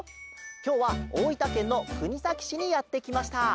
きょうはおおいたけんのくにさきしにやってきました。